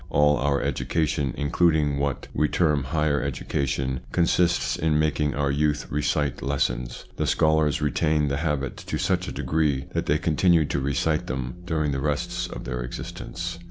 All our education, including what "we term higher education, consists in making our youth recite lessons. The scholars retain the habit to such a degree that they continue to recite them during the rest of their existence.